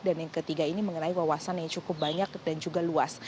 dan yang ketiga ini mengenai wawasan yang cukup banyak dan juga luas